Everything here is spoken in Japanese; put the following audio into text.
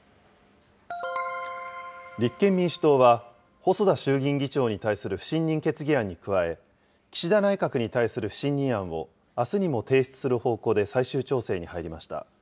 立憲民主党は、細田衆議院議長に対する不信任決議案に加え、岸田内閣に対する不信任案をあすにも提出する方向で最終調整に入りました。